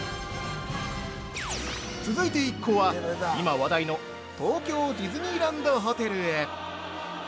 続いて一行は、今話題の東京ディズニーランドホテルへ。